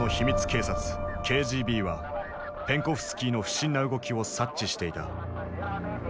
警察ＫＧＢはペンコフスキーの不審な動きを察知していた。